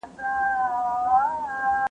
د تاریخي اثارو د ساتنې په اړه پوهاوی نه و.